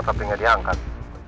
tapi gak diangkat